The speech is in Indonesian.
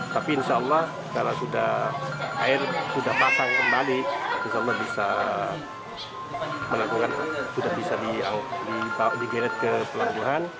tapi insya allah kalau sudah air sudah pasang kembali insya allah bisa melakukan sudah bisa dibawa digeret ke pelabuhan